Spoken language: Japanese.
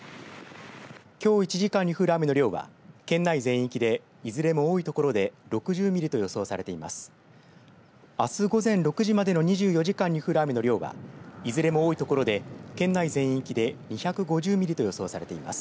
きょう１時間に降る雨の量は県内全域で、いずれも多い所で６０ミリと予想されています。